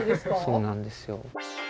そうなんですよ。